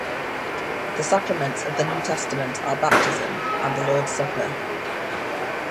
The sacraments of the New Testament are, baptism, and the Lord’s Supper.